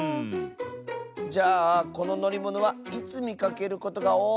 じゃあこののりものはいつみかけることがおおい？